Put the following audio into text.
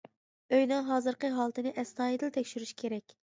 ئۆينىڭ ھازىرقى ھالىتىنى ئەستايىدىل تەكشۈرۈش كېرەك.